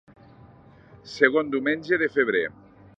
Segon diumenge de febrer.